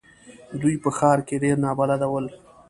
دوی په ښار کې ډېر نابلده ول.